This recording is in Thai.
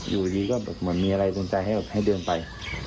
อยู่ดีก็เหมือนมีอะไรสนใจให้เดินไป